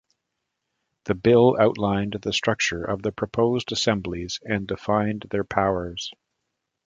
The bill outlined the structure of the proposed assemblies and defined their powers.